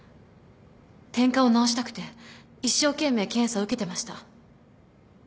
てんかんを治したくて一生懸命検査受けてました。